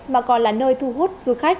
mà còn là nơi thu hút du khách